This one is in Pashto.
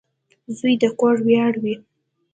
• زوی د کور ویاړ وي.